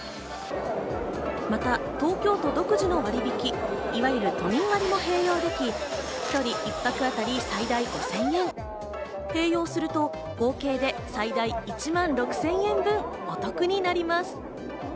また東京都独自の割引、いわゆる都民割も併用でき、１人１泊あたり最大５０００円、併用すると合計で最大１万６０００円分お得になります。